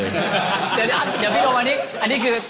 เดี๋ยวพี่โดมอันนี้